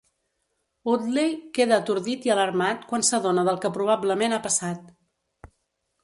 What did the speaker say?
Woodley queda atordit i alarmat quan s'adona del que probablement ha passat.